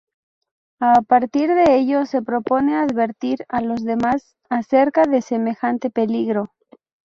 A partir de ello se propone advertir a los demás acerca de semejante peligro.